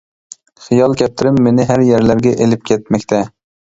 خىيال كەپتىرىم مېنى ھەر يەرلەرگە ئېلىپ كەتمەكتە.